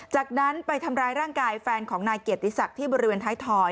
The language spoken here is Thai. จากนั้นไปทำร้ายร่างกายแฟนของนายเกียรติศักดิ์ที่บริเวณท้ายถอย